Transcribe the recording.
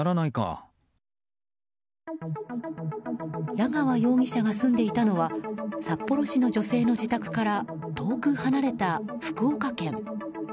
矢川容疑者が住んでいたのは札幌市の女性の自宅から遠く離れた福岡県。